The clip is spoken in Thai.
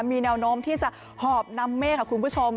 มีแนวโน้มที่จะหอบนำเมฆค่ะคุณผู้ชม